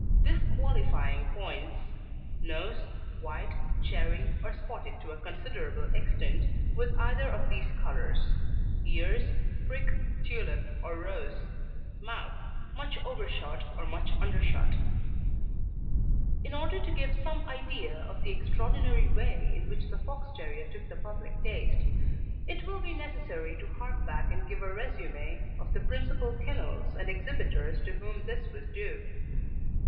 DISQUALIFYING POINTS: NOSE White, cherry, or spotted to a considerable extent with either of these colours. EARS prick, tulip, or rose. MOUTH much overshot or much undershot. In order to give some idea of the extraordinary way in which the Fox terrier took the public taste, it will be necessary to hark back and give a resume of the principal kennels and exhibitors to whom this was due.